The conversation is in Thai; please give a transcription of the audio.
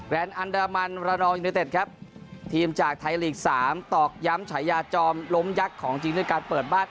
ครับทีมจากไทยหลีกสามตอบย้ำใจยาจอมล้มยักษ์ของจริงเรื่องการเปิดบ้าน